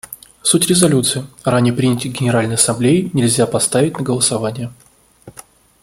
Суть резолюции, ранее принятой Генеральной Ассамблеей, нельзя поставить на голосование.